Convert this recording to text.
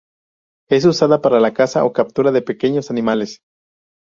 Es usada para la caza o captura de pequeños animales.